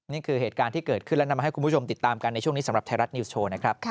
นี่คือเหตุการณ์ที่เกิดขึ้นและนำมาให้คุณผู้ชมติดตามกันในช่วงนี้สำหรับไทยรัฐนิวส์โชว์นะครับ